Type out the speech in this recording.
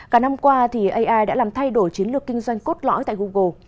cả năm qua thì ai đã làm thay đổi chiến lược kinh doanh cốt lõi tại google